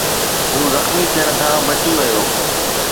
هو زخمي ٿيڻ کان بچي ويو